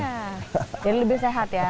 jadi lebih sehat ya